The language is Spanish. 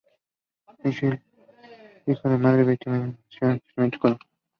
Michael Dougherty, hijo de madre vietnamita, nació y creció en Columbus, Ohio.